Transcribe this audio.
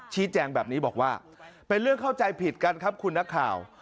ชี้แจงแบบนี้บอกว่าเป็นเรื่องเข้าใจผิดกันครับคุณนักข่าว